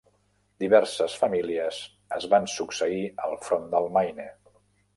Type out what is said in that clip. Diverses famílies es van succeir al front del Maine.